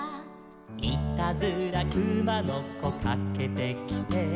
「いたずらくまのこかけてきて」